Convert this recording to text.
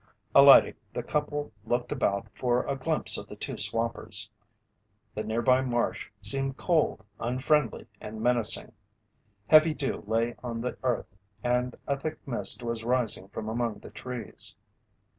Alighting, the couple looked about for a glimpse of the two swampers. The nearby marsh seemed cold, unfriendly and menacing. Heavy dew lay on the earth and a thick mist was rising from among the trees.